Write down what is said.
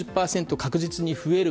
確実に増える。